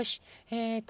えっと